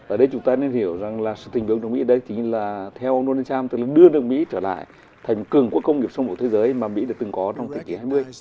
ở đây chúng ta nên hiểu rằng là sự thình vương của nước mỹ đây chính là theo ông donald trump từ lúc đưa nước mỹ trở lại thành một cường quốc công nghiệp sông bộ thế giới mà mỹ đã từng có trong tỉ kỷ hai mươi